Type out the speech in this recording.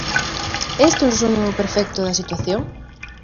É este un resumo perfecto da situación?